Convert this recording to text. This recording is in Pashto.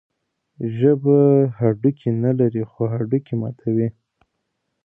ژبه هډوکي نلري، خو هډوکي ماتوي.